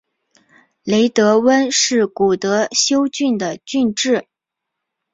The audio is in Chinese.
雷德温是古德休郡的郡治。